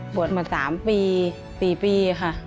ปวดมา๓ปี๔ปีค่ะ